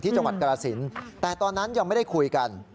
จังหวัดกรสินแต่ตอนนั้นยังไม่ได้คุยกัน